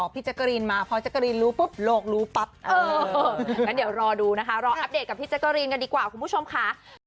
ก็ให้มันเป็นไปตามสถานการณ์